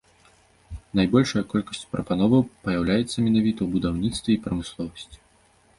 Найбольшая колькасць прапановаў паяўляецца менавіта ў будаўніцтве і прамысловасці.